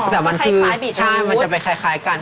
แต่มันคือใช่มันจะไปคล้ายกัน